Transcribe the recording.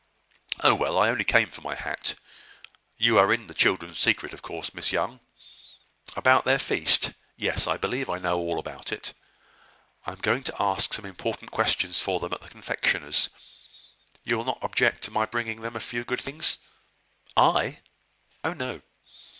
"Oh, well, I only came for my hat. You are in the children's secret, of course, Miss Young?" "About their feast. Yes, I believe I know all about it." "I am going to ask some important questions for them at the confectioner's. You will not object to my bringing them a few good things?" "I? Oh, no."